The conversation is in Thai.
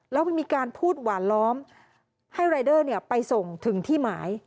แล้วมีการพูดหวานล้อมให้รายเดอร์ไปส่งถึงที่หมาย